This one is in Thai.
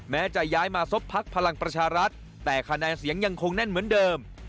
แม้จะย้ายมาซบพักพลังประชารัฐแต่คะแนนเสียงยังคงแน่นเหมือนเดิม